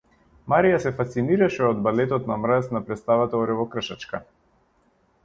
Марија се фасцинираше од балетот на мраз на претставата Оревокршачка.